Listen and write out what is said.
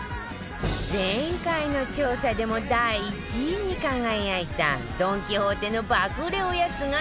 前回の調査でも第１位に輝いたドン・キホーテの爆売れおやつが連覇